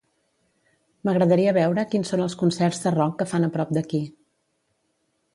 M'agradaria veure quins són els concerts de rock que fan a prop d'aquí.